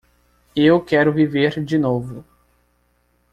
Eu quero viver de novo.